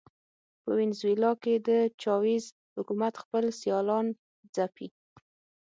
په وینزویلا کې د چاوېز حکومت خپل سیالان ځپي.